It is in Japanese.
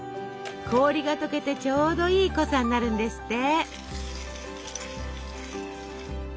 氷が解けてちょうどいい濃さになるんですって。